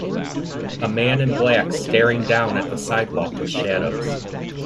A man in black staring down at the sidewalk with shadows.